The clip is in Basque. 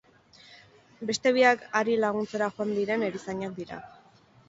Beste biak hari laguntzera joan diren erizainak dira.